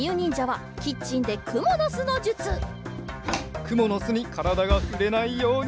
くものすにからだがふれないように。